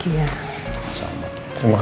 istulah bisa dipikirku